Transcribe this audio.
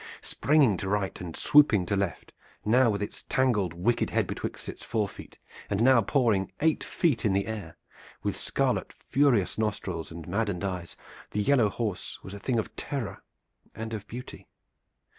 Springing to right and swooping to left, now with its tangled wicked head betwixt its forefeet, and now pawing eight feet high in the air, with scarlet, furious nostrils and maddened eyes, the yellow horse was a thing of terror and of beauty.